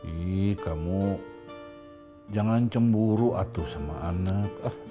ih kamu jangan cemburu atuh sama anak